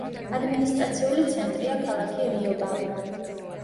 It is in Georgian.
ადმინისტრაციული ცენტრია ქალაქი რიობამბა.